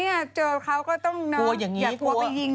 มีไงมียิงมียิงมียิง